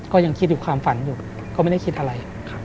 ก็ยังคิดอยู่ความฝันอยู่ก็ไม่ได้คิดอะไร